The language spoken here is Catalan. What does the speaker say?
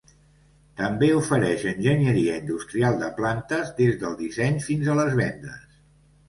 També ofereix enginyeria industrial de plantes, des del disseny fins a les vendes.